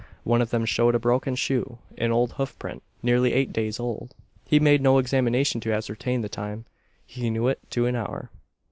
One of them showed a broken shoe, an old hoof print, nearly eight days old. He made no examination to ascertain the time. He knew it to an hour.